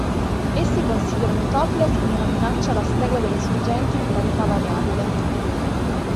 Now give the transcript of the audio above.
Essi considerano i topless come una minaccia alla stregua delle sorgenti di gravità variabile.